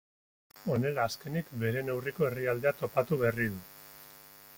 Honela azkenik bere neurriko herrialdea topatu berri du.